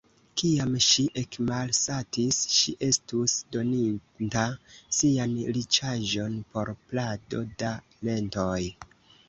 Kiam ŝi ekmalsatis, ŝi estus doninta sian riĉaĵon por plado da lentoj.